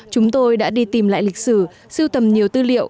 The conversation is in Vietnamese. chúng tôi đã đi tìm lại lịch sử siêu tầm nhiều tư liệu